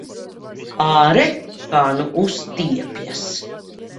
Āre, kā nu uztiepjas!